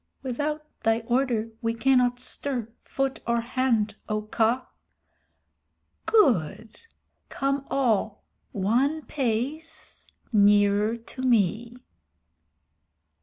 "Without thy order we cannot stir foot or hand, O Kaa!" "Good! Come all one pace nearer to me."